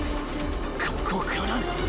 ［ここから］